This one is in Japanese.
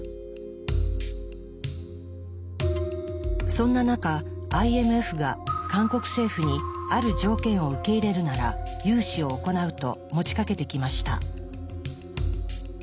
そんな中ＩＭＦが韓国政府にある条件を受け入れるなら融資を行うと持ちかけてきました。